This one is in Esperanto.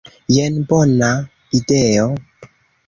Jen bona ideo.